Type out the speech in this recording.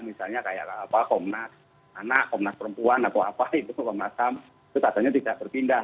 misalnya kayak komnas anak komnas perempuan atau apa itu komnas ham itu katanya tidak berpindah